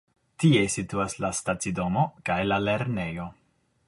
Tie situas la stacidomo kaj la lernejo.